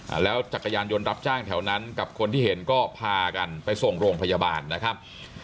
แล้วจักรยานยนต์รับจ้างแถวนั้นกับคนที่เห็นก็พากันไปส่งโรงพยาบาลนะครับ